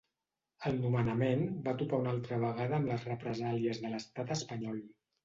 El nomenament va topar una altra vegada amb les represàlies de l’estat espanyol.